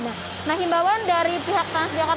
nah himbawan dari pihak transjakarta